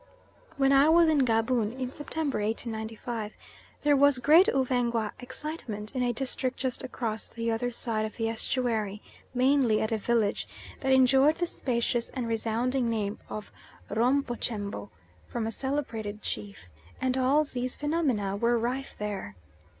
When I was in Gaboon in September, 1895, there was great Uvengwa excitement in a district just across the other side of the estuary, mainly at a village that enjoyed the spacious and resounding name of Rumpochembo, from a celebrated chief, and all these phenomena were rife there.